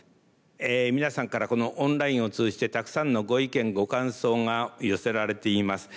皆さんからこのオンラインを通じてたくさんのご意見ご感想が寄せられています。